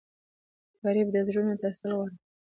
غریب د زړونو تسل غواړي